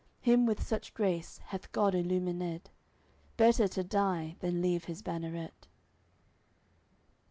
Him with such grace hath God illumined, Better to die than leave his banneret."